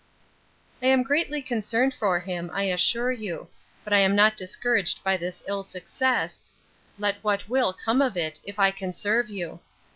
'I am greatly concerned for him, I assure you: but I am not discouraged by this ill success, let what will come of it, if I can serve you.